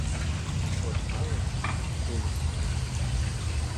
От пале — сулык.